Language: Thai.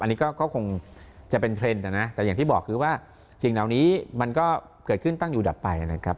อันนี้ก็คงจะเป็นเทรนด์นะแต่อย่างที่บอกคือว่าสิ่งเหล่านี้มันก็เกิดขึ้นตั้งอยู่ดับไปนะครับ